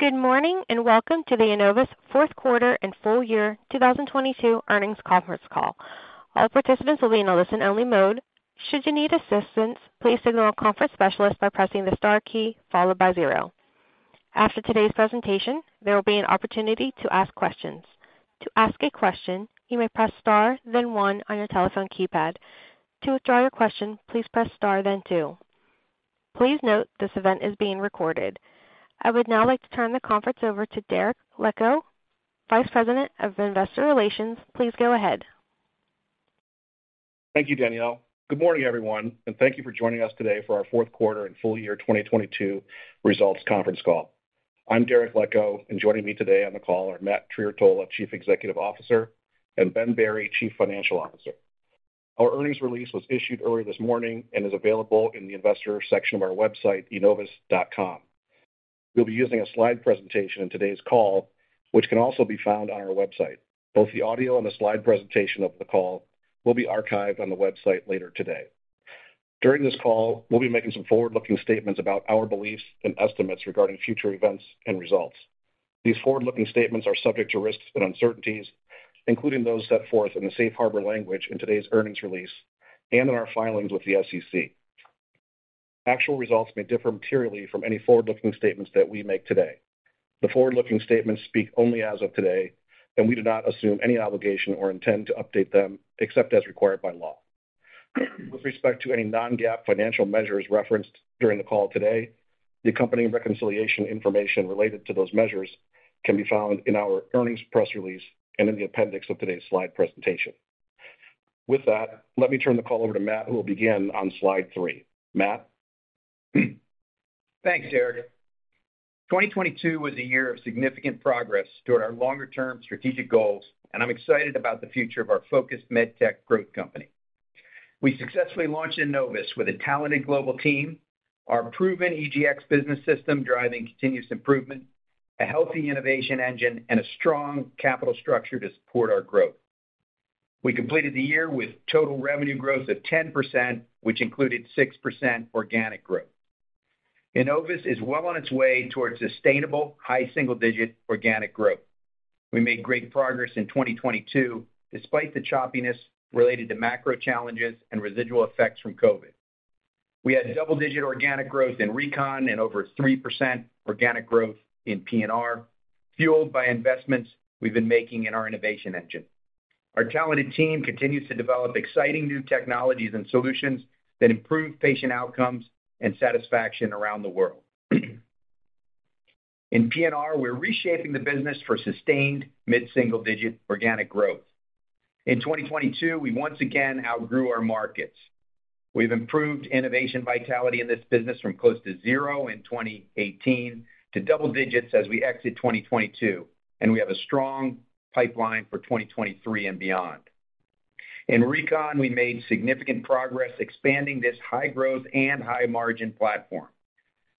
Good morning, welcome to the Enovis Q4 and full year 2022 earnings conference call. All participants will be in a listen-only mode. Should you need assistance, please signal a conference specialist by pressing the star key followed by zero. After today's presentation, there will be an opportunity to ask questions. To ask a question, you may press star then one on your telephone keypad. To withdraw your question, please press star then two. Please note this event is being recorded. I would now like to turn the conference over to Derek Leckow, Vice President of Investor Relations. Please go ahead. Thank you, Danielle. Good morning, everyone. Thank you for joining us today for our Q4 and full year 2022 results conference call. I'm Derek Leckow. Joining me today on the call are Matt Trerotola, Chief Executive Officer, and Ben Berry, Chief Financial Officer. Our earnings release was issued early this morning and is available in the investor section of our website, enovis.com. We'll be using a slide presentation in today's call, which can also be found on our website. Both the audio and the slide presentation of the call will be archived on the website later today. During this call, we'll be making some forward-looking statements about our beliefs and estimates regarding future events and results. These forward-looking statements are subject to risks and uncertainties, including those set forth in the safe harbor language in today's earnings release and in our filings with the SEC. Actual results may differ materially from any forward-looking statements that we make today. The forward-looking statements speak only as of today, and we do not assume any obligation or intend to update them except as required by law. With respect to any non-GAAP financial measures referenced during the call today, the accompanying reconciliation information related to those measures can be found in our earnings press release and in the appendix of today's slide presentation. Let me turn the call over to Matt, who will begin on slide three. Matt? Thanks, Derek. 2022 was a year of significant progress toward our longer-term strategic goals, and I'm excited about the future of our focused medtech growth company. We successfully launched Enovis with a talented global team, our proven EGX business system driving continuous improvement, a healthy innovation engine, and a strong capital structure to support our growth. We completed the year with total revenue growth of 10%, which included 6% organic growth. Enovis is well on its way towards sustainable high single-digit organic growth. We made great progress in 2022 despite the choppiness related to macro challenges and residual effects from COVID. We had double-digit organic growth in Recon and over 3% organic growth in P&R, fueled by investments we've been making in our innovation engine. Our talented team continues to develop exciting new technologies and solutions that improve patient outcomes and satisfaction around the world. In PNR, we're reshaping the business for sustained mid-single digit organic growth. In 2022, we once again outgrew our markets. We've improved innovation vitality in this business from close to zero in 2018 to double digits as we exit 2022, and we have a strong pipeline for 2023 and beyond. In Recon, we made significant progress expanding this high-growth and high-margin platform.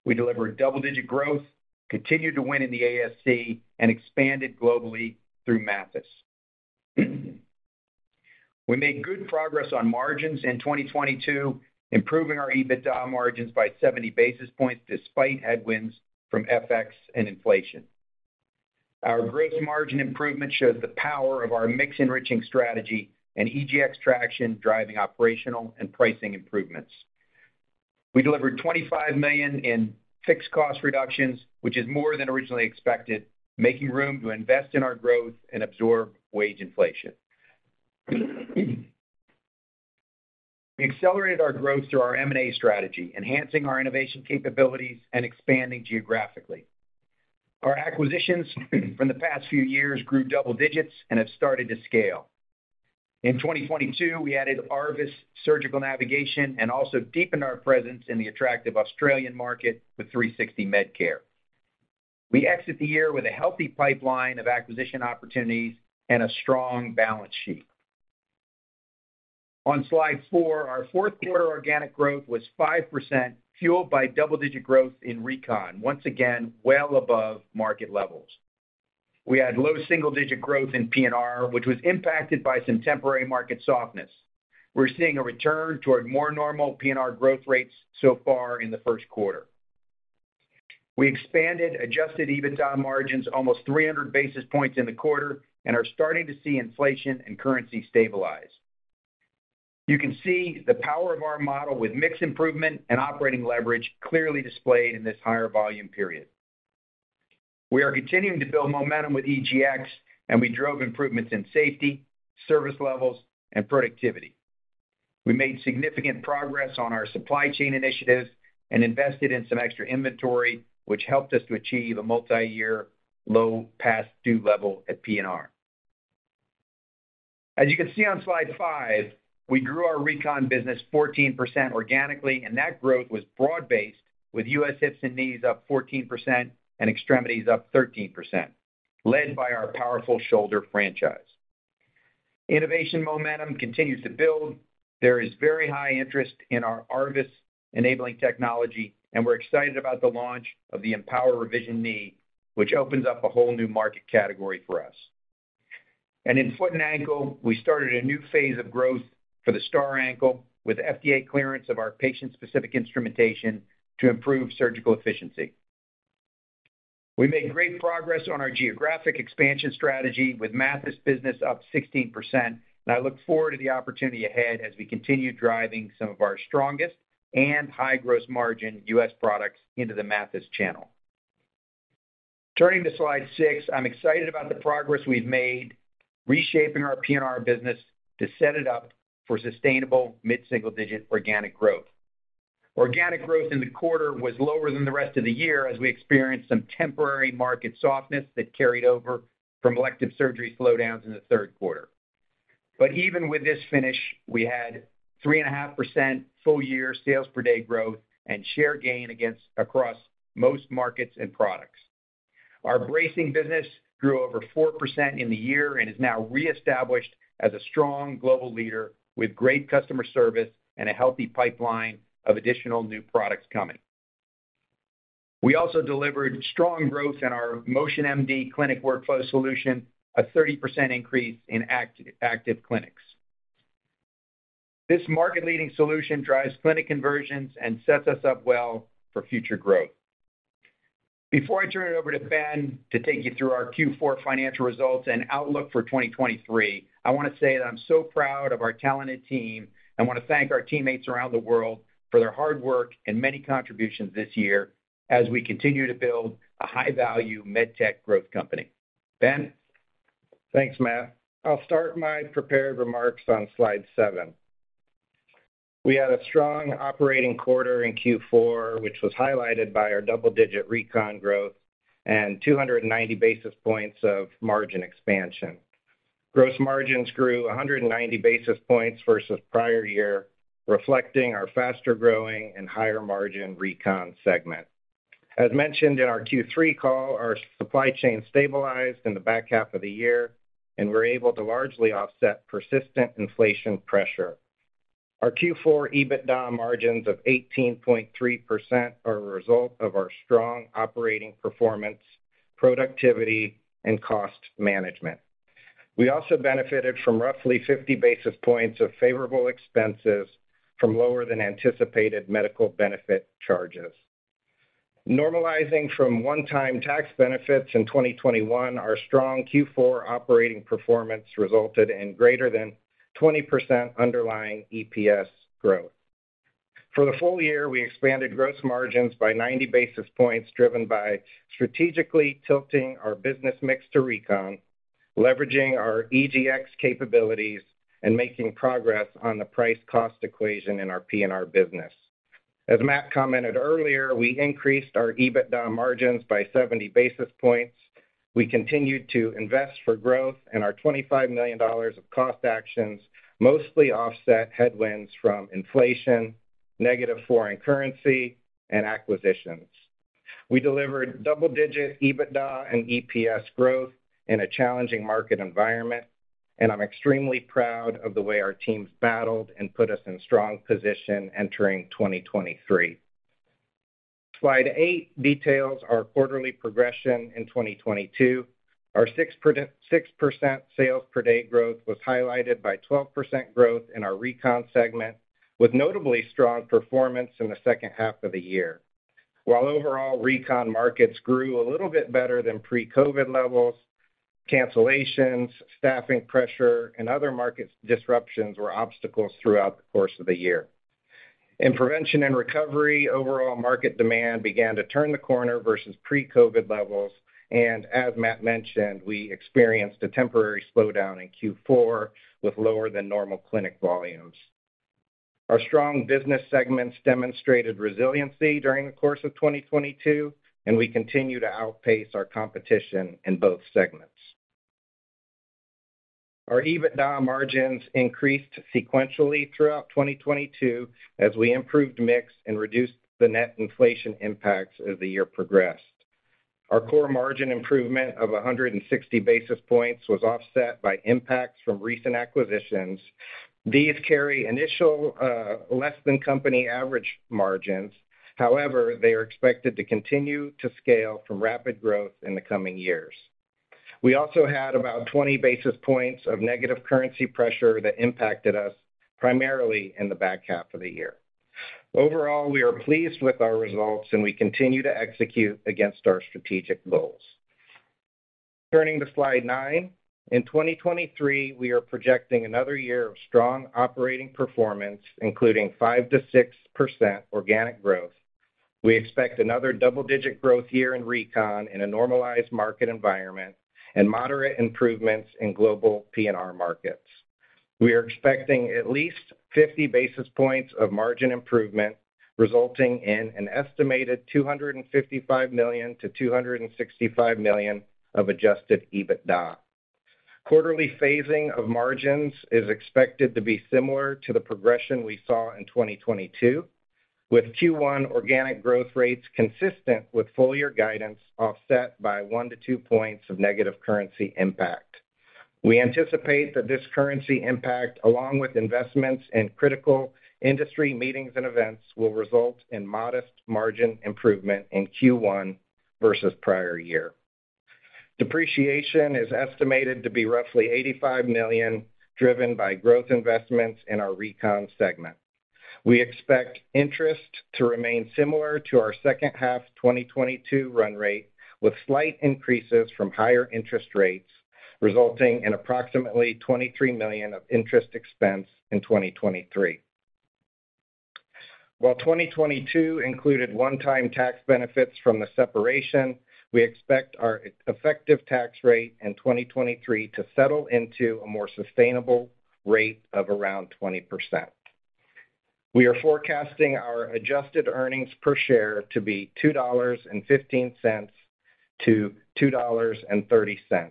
We delivered double-digit growth, continued to win in the ASC, and expanded globally through Mathys. We made good progress on margins in 2022, improving our EBITDA margins by 70 basis points despite headwinds from FX and inflation. Our gross margin improvement shows the power of our mix-enriching strategy and EGX traction driving operational and pricing improvements. We delivered $25 million in fixed cost reductions, which is more than originally expected, making room to invest in our growth and absorb wage inflation. We accelerated our growth through our M&A strategy, enhancing our innovation capabilities and expanding geographically. Our acquisitions from the past few years grew double digits and have started to scale. In 2022, we added ARVIS Surgical Navigation and also deepened our presence in the attractive Australian market with 360 Medcare. We exit the year with a healthy pipeline of acquisition opportunities and a strong balance sheet. On slide four, our Q4 organic growth was 5%, fueled by double-digit growth in Recon, once again, well above market levels. We had low single-digit growth in PNR, which was impacted by some temporary market softness. We're seeing a return toward more normal PNR growth rates so far in the Q1. We expanded adjusted EBITDA margins almost 300 basis points in the quarter and are starting to see inflation and currency stabilize. You can see the power of our model with mix improvement and operating leverage clearly displayed in this higher volume period. We are continuing to build momentum with EGX, and we drove improvements in safety, service levels, and productivity. We made significant progress on our supply chain initiatives and invested in some extra inventory, which helped us to achieve a multi-year low past due level at PNR. As you can see on slide five, we grew our Recon business 14% organically, and that growth was broad-based with U.S. hips and knees up 14% and extremities up 13%, led by our powerful shoulder franchise. Innovation momentum continues to build. There is very high interest in our ARVIS enabling technology, and we're excited about the launch of the EMPOWR Revision Knee, which opens up a whole new market category for us. In foot and ankle, we started a new phase of growth for the STAR Ankle with FDA clearance of our patient-specific instrumentation to improve surgical efficiency. We made great progress on our geographic expansion strategy with Mathys business up 16%, and I look forward to the opportunity ahead as we continue driving some of our strongest and high gross margin US products into the Mathys channel. Turning to slide six, I'm excited about the progress we've made reshaping our P&R business to set it up for sustainable mid-single-digit organic growth. Organic growth in the quarter was lower than the rest of the year as we experienced some temporary market softness that carried over from elective surgery slowdowns in the Q3. Even with this finish, we had 3.5% full-year sales per day growth and share gain across most markets and products. Our bracing business grew over 4% in the year and is now reestablished as a strong global leader with great customer service and a healthy pipeline of additional new products coming. We also delivered strong growth in our MotionMD clinic workflow solution, a 30% increase in active clinics. This market-leading solution drives clinic conversions and sets us up well for future growth. Before I turn it over to Ben to take you through our Q4 financial results and outlook for 2023, I want to say that I'm so proud of our talented team. I want to thank our teammates around the world for their hard work and many contributions this year as we continue to build a high-value med tech growth company. Ben? Thanks, Matt. I'll start my prepared remarks on slide seven. We had a strong operating quarter in Q4, which was highlighted by our double-digit Recon growth and 290 basis points of margin expansion. Gross margins grew 190 basis points versus prior year, reflecting our faster-growing and higher-margin Recon segment. As mentioned in our Q3 call, our supply chain stabilized in the back half of the year, and we're able to largely offset persistent inflation pressure. Our Q4 EBITDA margins of 18.3% are a result of our strong operating performance, productivity, and cost management. We also benefited from roughly 50 basis points of favorable expenses from lower than anticipated medical benefit charges. Normalizing from one-time tax benefits in 2021, our strong Q4 operating performance resulted in greater than 20% underlying EPS growth. For the full year, we expanded gross margins by 90 basis points, driven by strategically tilting our business mix to Recon, leveraging our EGX capabilities, and making progress on the price cost equation in our P&R business. As Matt commented earlier, we increased our EBITDA margins by 70 basis points. We continued to invest for growth in our $25 million of cost actions, mostly offset headwinds from inflation, negative foreign currency, and acquisitions. We delivered double-digit EBITDA and EPS growth in a challenging market environment, and I'm extremely proud of the way our teams battled and put us in strong position entering 2023. Slide eight details our quarterly progression in 2022. Our 6% sales per day growth was highlighted by 12% growth in our Recon segment, with notably strong performance in the second half of the year. While overall Recon markets grew a little bit better than pre-COVID levels, cancellations, staffing pressure, and other markets disruptions were obstacles throughout the course of the year. In Prevention & Recovery, overall market demand began to turn the corner versus pre-COVID levels, and as Matt mentioned, we experienced a temporary slowdown in Q4 with lower than normal clinic volumes. Our strong business segments demonstrated resiliency during the course of 2022, and we continue to outpace our competition in both segments. Our EBITDA margins increased sequentially throughout 2022 as we improved mix and reduced the net inflation impacts as the year progressed. Our core margin improvement of 160 basis points was offset by impacts from recent acquisitions. These carry initial less than company average margins. However, they are expected to continue to scale from rapid growth in the coming years. We also had about 20 basis points of negative currency pressure that impacted us primarily in the back half of the year. Overall, we are pleased with our results, and we continue to execute against our strategic goals. Turning to slide nine. In 2023, we are projecting another year of strong operating performance, including 5% to 6% organic growth. We expect another double-digit growth year in Recon in a normalized market environment and moderate improvements in global P&R markets. We are expecting at least 50 basis points of margin improvement, resulting in an estimated $255 to 265 million of adjusted EBITDA. Quarterly phasing of margins is expected to be similar to the progression we saw in 2022, with Q1 organic growth rates consistent with full-year guidance offset by one to two points of negative currency impact. We anticipate that this currency impact, along with investments in critical industry meetings and events, will result in modest margin improvement in Q1. Versus prior year. Depreciation is estimated to be roughly $85 million, driven by growth investments in our Recon segment. We expect interest to remain similar to our second half 2022 run rate, with slight increases from higher interest rates, resulting in approximately $23 million of interest expense in 2023. 2022 included one-time tax benefits from the separation, we expect our effective tax rate in 2023 to settle into a more sustainable rate of around 20%. We are forecasting our adjusted earnings per share to be $2.15 to 2.30.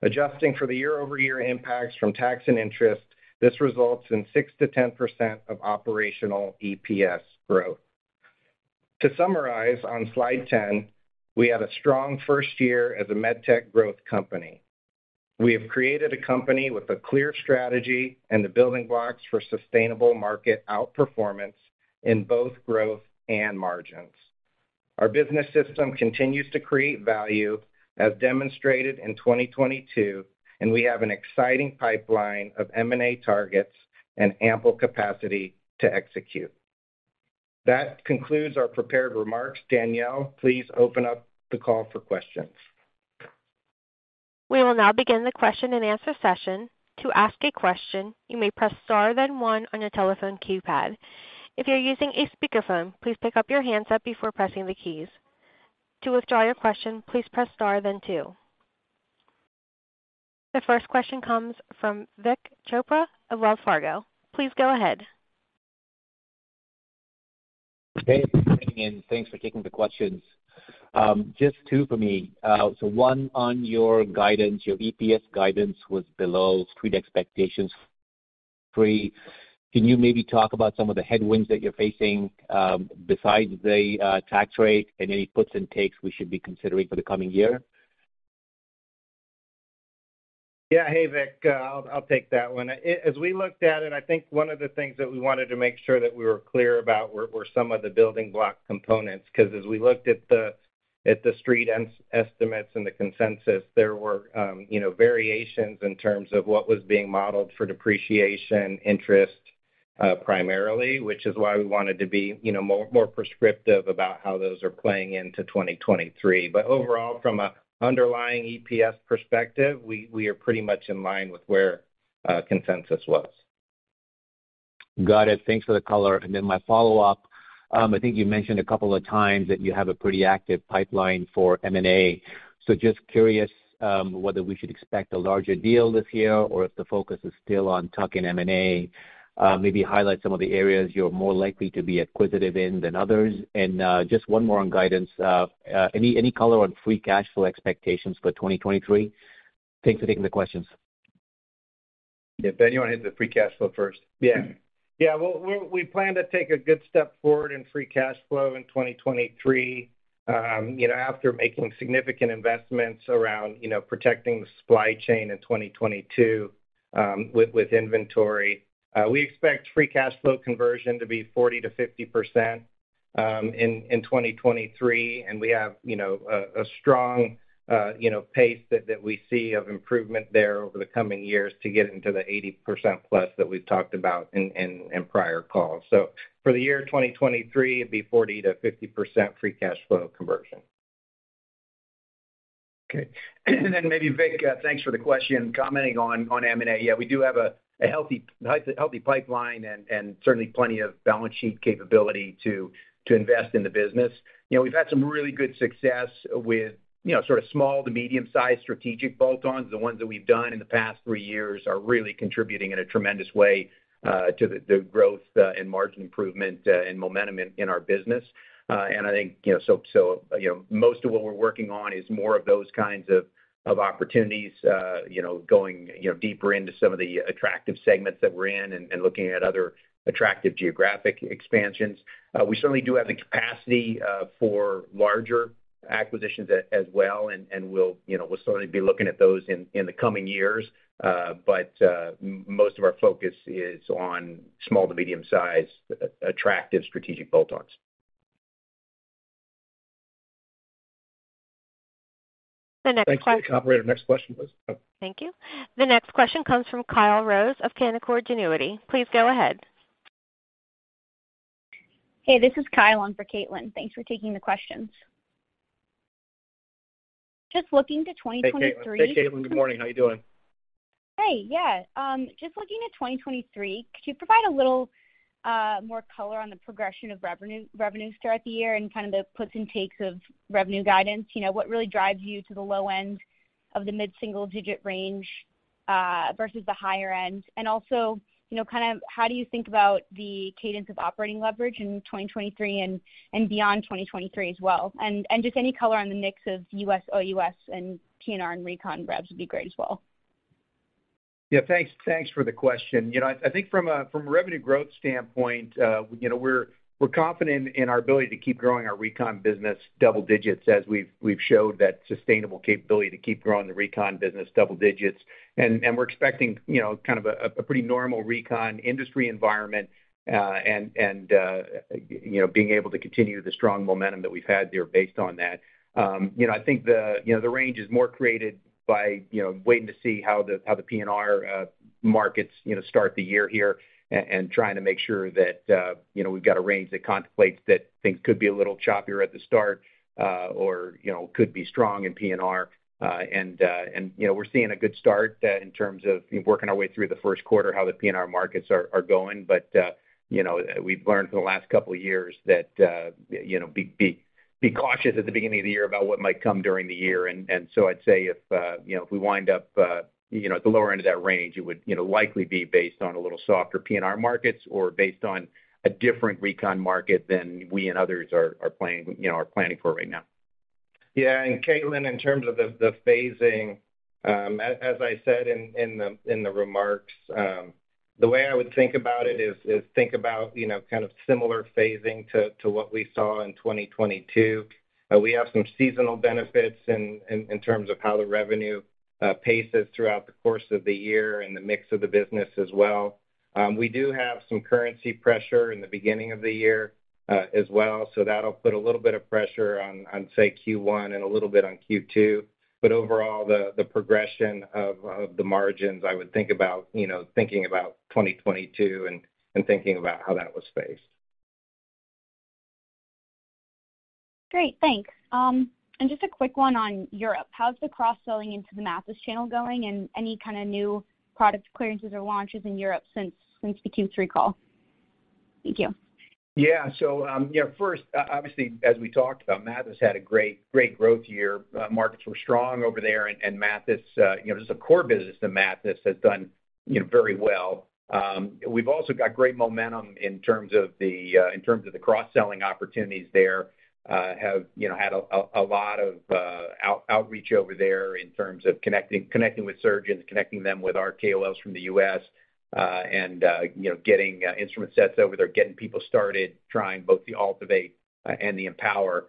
Adjusting for the year-over-year impacts from tax and interest, this results in 6% to 10% of operational EPS growth. To summarize on slide 10, we had a strong first year as a med tech growth company. We have created a company with a clear strategy and the building blocks for sustainable market outperformance in both growth and margins. Our business system continues to create value as demonstrated in 2022. We have an exciting pipeline of M&A targets and ample capacity to execute. That concludes our prepared remarks. Danielle, please open up the call for questions. We will now begin the question-and-answer session. To ask a question, you may press star, then one on your telephone keypad. If you're using a speakerphone, please pick up your handset before pressing the keys. To withdraw your question, please press star then two. The first question comes from Vikramjeet Chopra of Wells Fargo. Please go ahead. Hey, thanks for taking the questions. Just two for me. One on your guidance, your EPS guidance was below street expectations free. Can you maybe talk about some of the headwinds that you're facing, besides the tax rate and any puts and takes we should be considering for the coming year? Yeah. Hey, Vik. I'll take that one. As we looked at it, I think one of the things that we wanted to make sure that we were clear about were some of the building block components, 'cause as we looked at the street estimates and the consensus, there were, you know, variations in terms of what was being modeled for depreciation interest, primarily, which is why we wanted to be, you know, more prescriptive about how those are playing into 2023. Overall, from an underlying EPS perspective, we are pretty much in line with where consensus was. Got it. Thanks for the color. Then my follow-up, I think you mentioned a couple of times that you have a pretty active pipeline for M&A. Just curious, whether we should expect a larger deal this year or if the focus is still on tuck-in M&A. Maybe highlight some of the areas you're more likely to be acquisitive in than others. Just one more on guidance. Any color on free cash flow expectations for 2023? Thanks for taking the questions. Yeah. Ben, you want to hit the free cash flow first? Yeah. Yeah. We plan to take a good step forward in free cash flow in 2023, you know, after making significant investments around, you know, protecting the supply chain in 2022, with inventory. We expect free cash flow conversion to be 40% to 50% in 2023, we have, you know, a strong, you know, pace that we see of improvement there over the coming years to get into the 80%+ that we've talked about in prior calls. For the year 2023, it'd be 40% to 50% free cash flow conversion. Okay. Maybe Vik, thanks for the question. Commenting on M&A, yeah, we do have a healthy pipeline and certainly plenty of balance sheet capability to invest in the business. You know, we've had some really good success with, you know, sort of small to medium-sized strategic bolt-ons the ones that we've done in the past three years are really contributing in a tremendous way to the growth and margin improvement and momentum in our business. I think, you know, so, you know, most of what we're working on is more of those kinds of opportunities, you know, going, you know, deeper into some of the attractive segments that we're in and looking at other attractive geographic expansions. We certainly do have the capacity for larger acquisitions as well, and we'll, you know, we'll certainly be looking at those in the coming years. Most of our focus is on small to medium-sized attractive strategic bolt-ons. The next question. Thanks, Vik. Operator, next question, please. Thank you. The next question comes from Kyle Rose of Canaccord Genuity. Please go ahead. Hey, this is Kyle on for Caitlin. Thanks for taking the questions. Just looking to 2023- Hey, Caitlin. Good morning. How you doing? Hey. Yeah. Just looking at 2023, could you provide a little more color on the progression of revenue throughout the year and kind of the puts and takes of revenue guidance? You know, what really drives you to the low end of the mid-single-digit range versus the higher end? Also, you know, kind of how do you think about the cadence of operating leverage in 2023 and beyond 2023 as well? Just any color on the mix of U.S., OUS, T&R and Recon revs would be great as well. Yeah. Thanks for the question. You know, I think from a revenue growth standpoint, you know, we're confident in our ability to keep growing our Recon business double digits as we've showed that sustainable capability to keep growing the Recon business double digits. We're expecting, you know, kind of a pretty normal Recon industry environment, and, you know, being able to continue the strong momentum that we've had there based on that. I think the, you know, the range is more created by, you know, waiting to see how the P&R markets, you know, start the year here and trying to make sure that, you know, we've got a range that contemplates that things could be a little choppier at the start or, you know, could be strong in P&R. And, you know, we're seeing a good start in terms of working our way through the Q1, how the P&R markets are going. You know, we've learned from the last couple of years that, you know, be cautious at the beginning of the year about what might come during the year. I'd say if, you know, if we wind up, you know, at the lower end of that range, it would, you know, likely be based on a little softer PNR markets or based on a different Recon market than we and others are playing, you know, are planning for right now. Yeah. Caitlin, in terms of the phasing, as I said in the remarks, the way I would think about it is think about, you know, kind of similar phasing to what we saw in 2022. We have some seasonal benefits in terms of how the revenue paces throughout the course of the year and the mix of the business as well. We do have some currency pressure in the beginning of the year, as well, so that'll put a little bit of pressure on, say, Q1 and a little bit on Q2. Overall, the progression of the margins, I would think about, you know, thinking about 2022 and thinking about how that was phased. Great. Thanks. Just a quick one on Europe. How's the cross-selling into the Mathys channel going? Any kind of new product clearances or launches in Europe since the Q3 call? Thank you. First, obviously, as we talked about, Mathys had a great growth year. Markets were strong over there, and Mathys, you know, just the core business of Mathys has done, you know, very well. We've also got great momentum in terms of the in terms of the cross-selling opportunities there. Have, you know, had a lot of outreach over there in terms of connecting with surgeons, connecting them with our KOLs from the US, and, you know, getting instrument sets over there, getting people started trying both the AltiVate and the EMPOWR.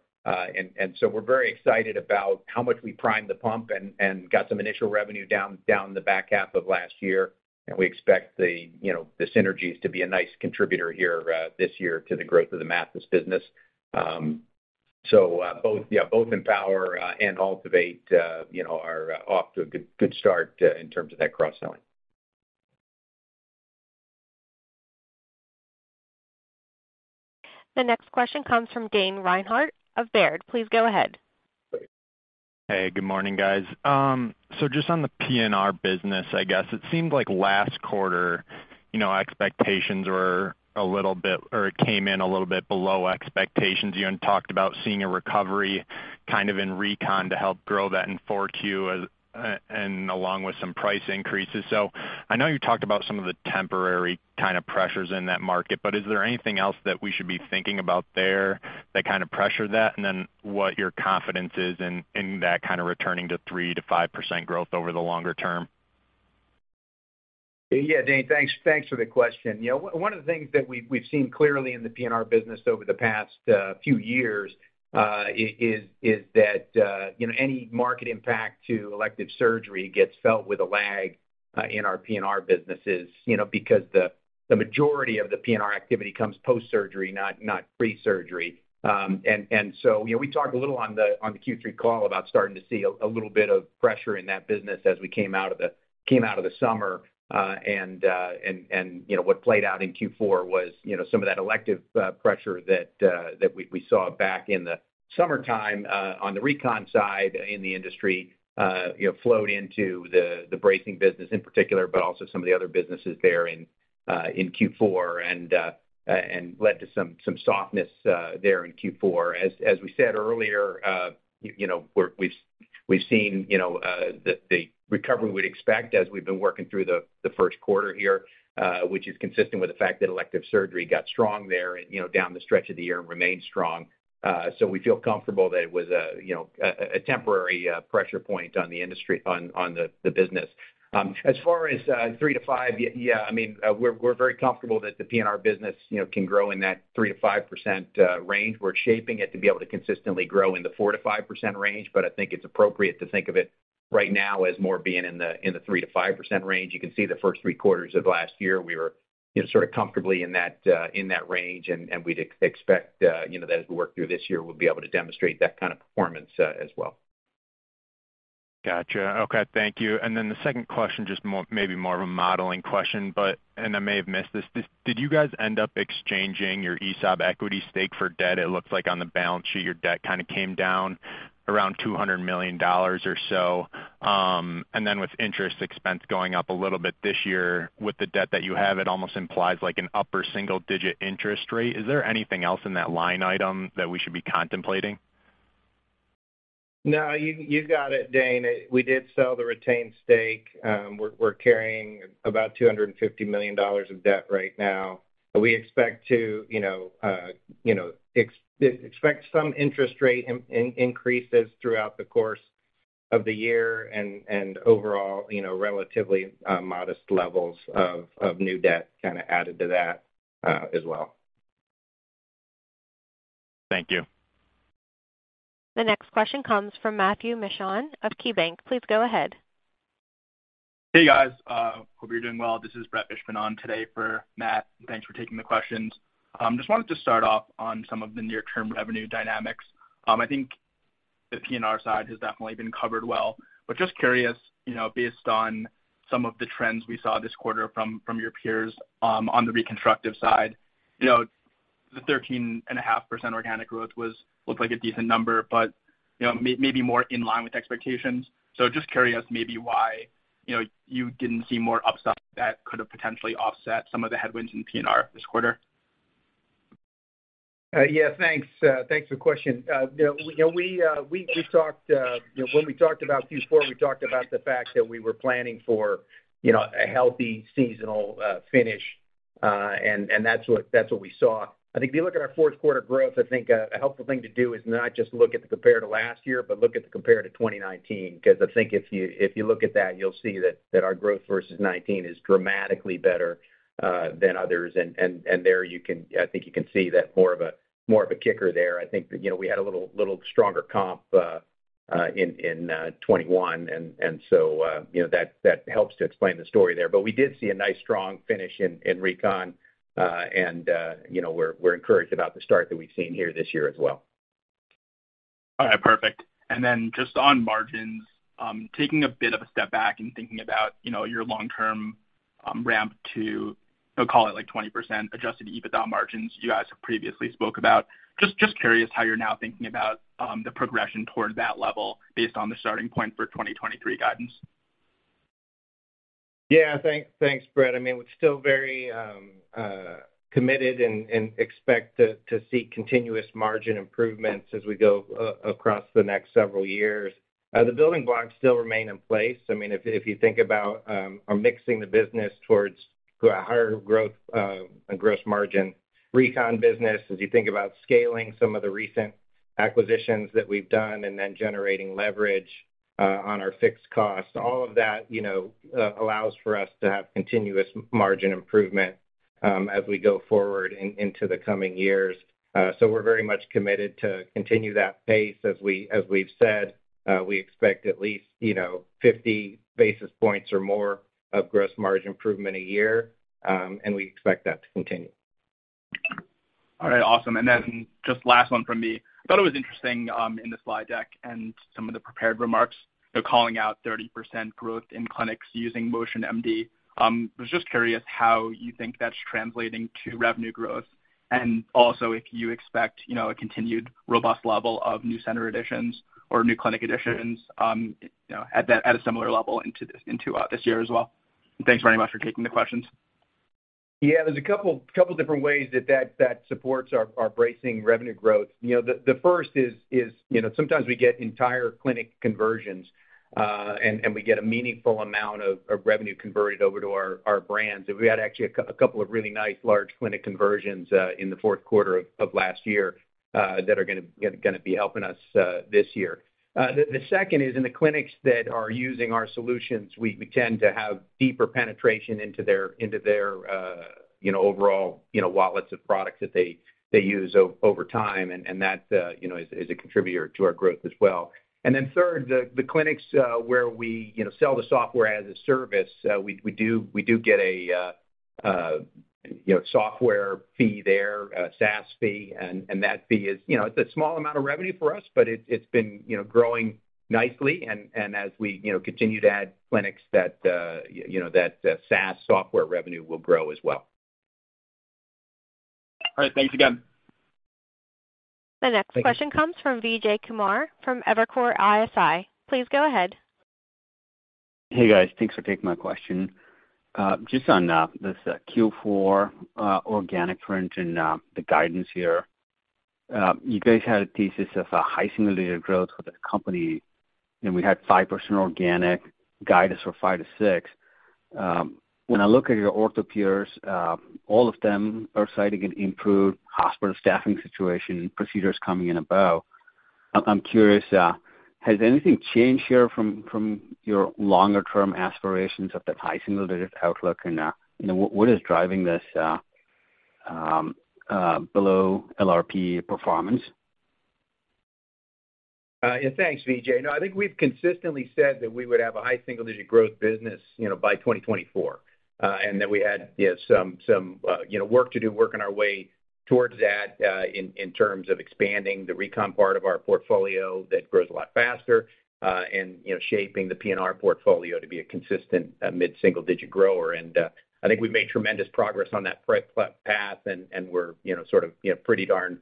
We're very excited about how much we primed the pump and got some initial revenue down the back half of last year. We expect the, you know, the synergies to be a nice contributor here, this year to the growth of the Mathys business. Both, yeah, both EMPOWR, and AltiVate, you know, are off to a good start, in terms of that cross-selling. The next question comes from Dane Reinhardt of Baird. Please go ahead. Hey, good morning, guys. Just on the PNR business, I guess it seemed like last quarter, you know, expectations were a little bit or it came in a little bit below expectations you had talked about seeing a recovery kind of in Recon to help grow that in Q4 as, and along with some price increases. I know you talked about some of the temporary kind of pressures in that market, but is there anything else that we should be thinking about there that kind of pressure that? What your confidence is in that kind of returning to 3% to 5% growth over the longer term? Dane, thanks. Thanks for the question. You know, one of the things that we've seen clearly in the PNR business over the past few years is that, you know, any market impact to elective surgery gets felt with a lag in our PNR businesses, you know, because the majority of the PNR activity comes post-surgery, not pre-surgery. You know, we talked a little on the Q3 call about starting to see a little bit of pressure in that business as we came out of the summer. You know, what played out in Q4 was, you know, some of that elective pressure that we saw back in the summertime on the Recon side in the industry, you know, flowed into the bracing business in particular, but also some of the other businesses there in Q4, and led to some softness there in Q4 as we said earlier.. ..You know, we've seen, you know, the recovery we'd expect as we've been working through the Q1 here, which is consistent with the fact that elective surgery got strong there and, you know, down the stretch of the year and remained strong. We feel comfortable that it was a, you know, temporary pressure point on the industry on the business. As far as 3% to 5%, I mean, we're very comfortable that the P&R business, you know, can grow in that 3% to 5% range. We're shaping it to be able to consistently grow in the 4% to 5% range. I think it's appropriate to think of it right now as more being in the 3% to 5% range. You can see the first three quarters of last year, we were, you know, sort of comfortably in that range. We'd expect, you know, that as we work through this year, we'll be able to demonstrate that kind of performance as well. Gotcha. Okay. Thank you. The second question, just maybe more of a modeling question. I may have missed this. Did you guys end up exchanging your ESOP equity stake for debt? It looks like on the balance sheet, your debt kind of came down around $200 million or so. With interest expense going up a little bit this year with the debt that you have, it almost implies like an upper single-digit interest rate. Is there anything else in that line item that we should be contemplating? No, you got it, Dane. We did sell the retained stake. We're, we're carrying about $250 million of debt right now. We expect to, you know, you know, expect some interest rate increases throughout the course of the year and overall, you know, relatively, modest levels of new debt kinda added to that, as well. Thank you. The next question comes from Matthew Michon of KeyBanc. Please go ahead. Hey, guys. hope you're doing well this is Brett Fishbin on today for Matt. Thanks for taking the questions. just wanted to start off on some of the near term revenue dynamics. I think the PNR side has definitely been covered well. Just curious, you know, based on some of the trends we saw this quarter from your peers, on the reconstructive side, you know, the 13.5% organic growth was looked like a decent number, but, you know, maybe more in line with expectations. Just curious maybe why, you know, you didn't see more upsell that could have potentially offset some of the headwinds in PNR this quarter. Yeah, thanks. Thanks for the question. You know, we talked, you know, when we talked about Q4, we talked about the fact that we were planning for, you know, a healthy seasonal finish, and that's what we saw. I think if you look at our Q4 growth, I think a helpful thing to do is not just look at the compare to last year, but look at the compare to 2019. I think if you, if you look at that, you'll see that our growth versus 19 is dramatically better than others and there I think you can see that more of a kicker there i think, you know, we had a little stronger comp in 21 and so, you know, that helps to explain the story there we did see a nice strong finish in Recon. You know, we're encouraged about the start that we've seen here this year as well. All right, perfect. Just on margins, taking a bit of a step back and thinking about, you know, your long-term, ramp to, we'll call it like 20% adjusted EBITDA margins you guys have previously spoke about. Just curious how you're now thinking about, the progression toward that level based on the starting point for 2023 guidance. Yeah. Thanks. Thanks, Brett. I mean, we're still very committed and expect to see continuous margin improvements as we go across the next several years. The building blocks still remain in place. I mean, if you think about mixing the business towards a higher growth, gross margin Recon business, as you think about scaling some of the recent acquisitions that we've done and then generating leverage on our fixed costs, all of that, you know, allows for us to have continuous margin improvement as we go forward into the coming years. We're very much committed to continue that pace as we've said, we expect at least, you know, 50 basis points or more of gross margin improvement a year, and we expect that to continue. All right, awesome. Just last one from me. I thought it was interesting, in the slide deck and some of the prepared remarks, you know, calling out 30% growth in clinics using MotionMD. Was just curious how you think that's translating to revenue growth, and also if you expect, you know, a continued robust level of new center additions or new clinic additions, you know, at a similar level into this, into this year as well. Thanks very much for taking the questions. Yeah, there's a couple different ways that supports our bracing revenue growth. You know, the first is, you know, sometimes we get entire clinic conversions, and we get a meaningful amount of revenue converted over to our brands. We had actually a couple of really nice large clinic conversions in the Q4 of last year. That are gonna be helping us this year. The second is in the clinics that are using our solutions, we tend to have deeper penetration into their, you know, overall, you know, wallets of products that they use over time, and that, you know, is a contributor to our growth as well. Then third, the clinics, where we, you know, sell the software as a service, we do get a, you know, software fee there, a SaaS fee. That fee is, you know, it's a small amount of revenue for us, but it's been, you know, growing nicely. As we, you know, continue to add clinics that, you know, that SaaS software revenue will grow as well. All right. Thanks again. The next question comes from Vijay Kumar from Evercore ISI. Please go ahead. Hey, guys. Thanks for taking my question. Just on this Q4 organic print and the guidance here. You guys had a thesis of a high single digit growth for the company, and we had 5% organic guidance for 5% to 6%. When I look at your ortho peers, all of them are citing an improved hospital staffing situation and procedures coming in above. I'm curious, has anything changed here from your longer term aspirations of that high single digit outlook? You know, what is driving this below LRP performance? Yeah. Thanks, Vijay. No, I think we've consistently said that we would have a high single-digit growth business, you know, by 2024. That we had, yeah, some, you know, work to do, working our way towards that, in terms of expanding the Recon part of our portfolio that grows a lot faster, and, you know, shaping the P&R portfolio to be a consistent mid-single-digit grower. I think we've made tremendous progress on that pre-ple path and we're, you know, sort of, you know, pretty darn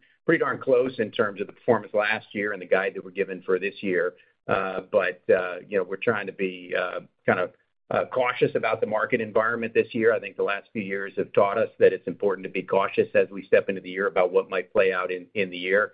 close in terms of the performance last year and the guide that we're given for this year. You know, we're trying to be, kind of, cautious about the market environment this year. I think the last few years have taught us that it's important to be cautious as we step into the year about what might play out in, in the year.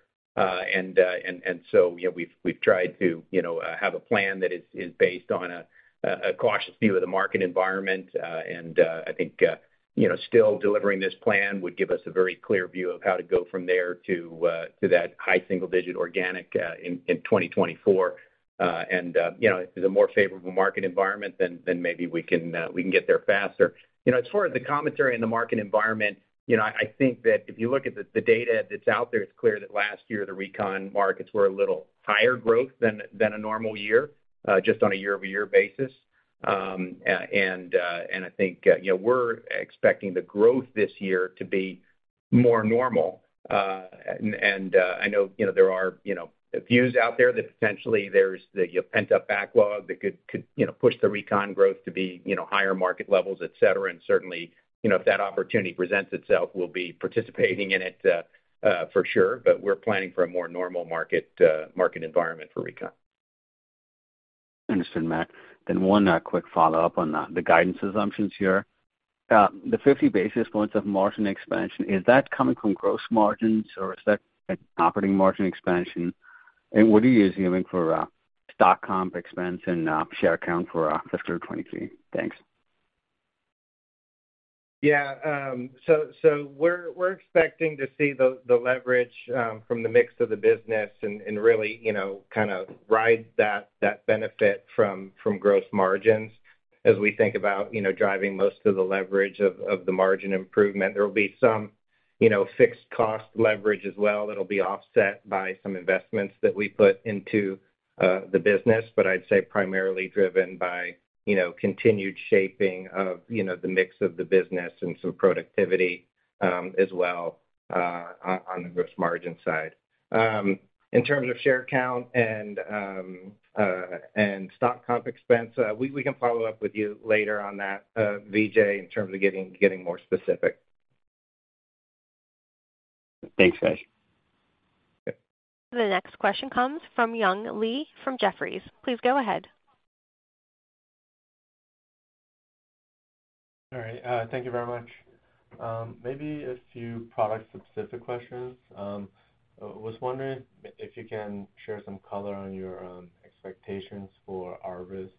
You know, we've, we've tried to, you know, uh, have a plan that is, is based on a, a cautious view of the market environment. I think, uh, you know, still delivering this plan would give us a very clear view of how to go from there to that high single digit organic in 2024. You know, if there's a more favorable market environment, then, then maybe we can, uh, we can get there faster. You know, as far as the commentary in the market environment, you know, I think that if you look at the data that's out there, it's clear that last year the Recon markets were a little higher growth than a normal year, just on a year-over-year basis. I think, you know, we're expecting the growth this year to be more normal. I know, you know, there are, you know, views out there that potentially there's the pent-up backlog that could, you know, push the Recon growth to be, you know, higher market levels, et cetera. Certainly, you know, if that opportunity presents itself, we'll be participating in it, for sure, but we're planning for a more normal market environment for Recon. Understood, Matt. One quick follow-up on the guidance assumptions here. The 50 basis points of margin expansion, is that coming from gross margins, or is that operating margin expansion? What are you assuming for stock comp expense and share count for fiscal 2023? Thanks. We're expecting to see the leverage from the mix of the business and really, you know, kinda ride that benefit from gross margins as we think about, you know, driving most of the leverage of the margin improvement there will be some.. ..you know, fixed cost leverage as well that'll be offset by some investments that we put into the business, I'd say primarily driven by, you know, continued shaping of, you know, the mix of the business and some productivity as well on the gross margin side. In terms of share count and stock comp expense, we can follow up with you later on that, Vijay, in terms of getting more specific. Thanks, guys. Okay. The next question comes from Xuyang Li from Jefferies. Please go ahead. All right. Thank you very much. Maybe a few product-specific questions. Was wondering if you can share some color on your expectations for ARVIS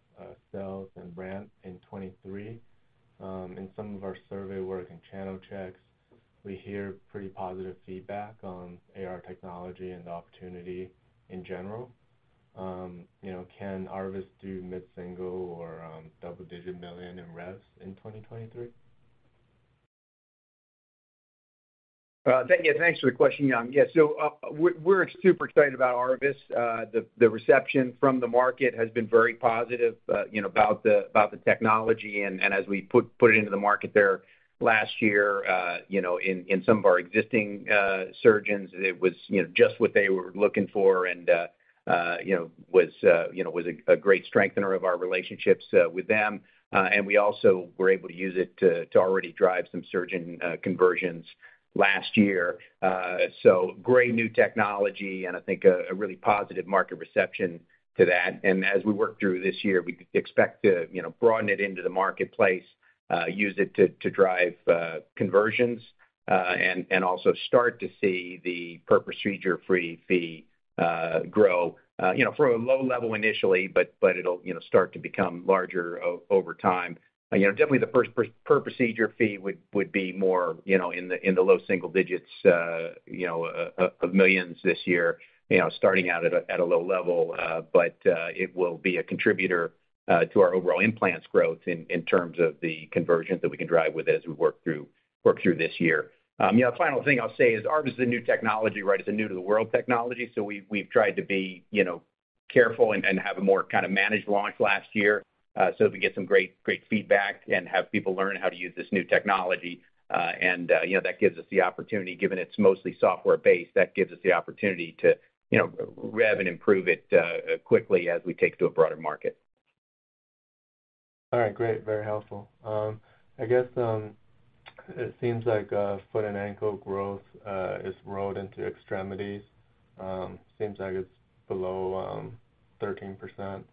sales and ramp in 2023. In some of our survey work and channel checks, we hear pretty positive feedback on AR technology and the opportunity in general. You know, can ARVIS do mid-single or double-digit million in revs in 2023? Yeah, thanks for the question, Yang. We're super excited about ARVIS. The reception from the market has been very positive, you know, about the technology. As we put it into the market there last year, you know, in some of our existing surgeons, it was, you know, just what they were looking for and was a great strengthener of our relationships with them. We also were able to use it to already drive some surgeon conversions last year. Great new technology, and I think a really positive market reception to that. As we work through this year, we expect to, you know, broaden it into the marketplace, use it to drive conversions, and also start to see the per procedure free fee grow. You know, from a low level initially, but it'll, you know, start to become larger over time. You know, definitely the first per procedure fee would be more, you know, in the low single digits of millions this year, you know, starting out at a low level. But, it will be a contributor to our overall implants growth in terms of the conversions that we can drive with it as we work through this year. You know, final thing I'll say is ARVIS is a new technology, right? It's a new-to-the-world technology we've tried to be, you know, careful and have a more kind of managed launch last year, so we can get some great feedback and have people learn how to use this new technology. You know, that gives us the opportunity, given it's mostly software-based, that gives us the opportunity to, you know, rev and improve it quickly as we take it to a broader market. All right, great. Very helpful. I guess, it seems like foot and ankle growth is rolled into extremities. Seems like it's below 13%.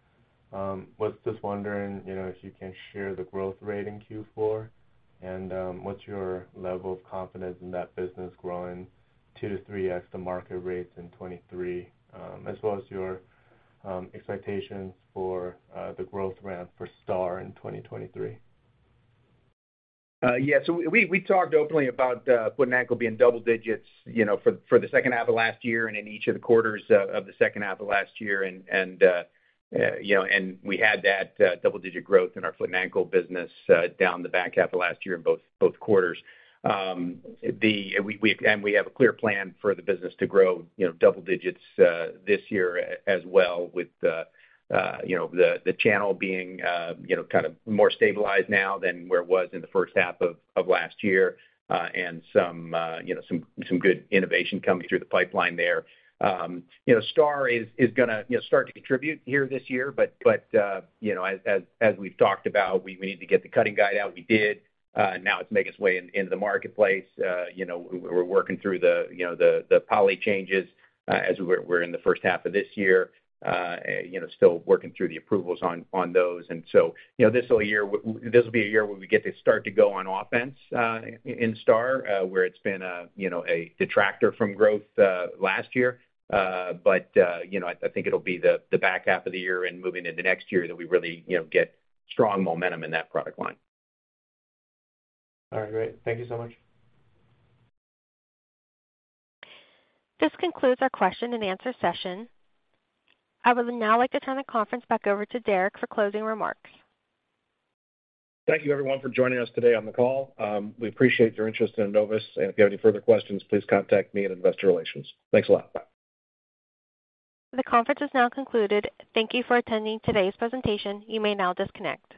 Was just wondering, you know, if you can share the growth rate in Q4, and what's your level of confidence in that business growing Q2 to Q3 extra market rates in 2023, as well as your expectations for the growth ramp for STAR in 2023. Yeah. We talked openly about foot and ankle being double digits, you know, for the second half of last year and in each of the quarters of the second half of last year. We had that double-digit growth in our foot and ankle business down the back half of last year in both quarters. We have a clear plan for the business to grow, you know, double digits this year as well with the, you know, the channel being, you know, kind of more stabilized now than where it was in the first half of last year, and some, you know, good innovation coming through the pipeline there. You know, STAR is gonna, you know, start to contribute here this year, but, you know, as we've talked about, we need to get the cutting guide out, we did. Now it's making its way into the marketplace. You know, we're working through the, you know, the poly changes, as we're in the first half of this year, you know, still working through the approvals on those. You know, this whole year this will be a year where we get to start to go on offense, in STAR, where it's been a, you know, a detractor from growth, last year. You know, I think it'll be the back half of the year and moving into next year that we really, you know, get strong momentum in that product line. All right, great. Thank you so much. This concludes our question and answer session. I would now like to turn the conference back over to Derek for closing remarks. Thank you everyone for joining us today on the call. We appreciate your interest in Enovis. If you have any further questions, please contact me in investor relations. Thanks a lot. Bye. The conference is now concluded. Thank you for attending today's presentation. You may now disconnect.